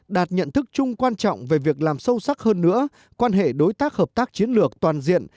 đạt nhận thức chung quan trọng về việc làm sâu sắc hơn nữa quan hệ đối tác hợp tác chiến lược toàn diện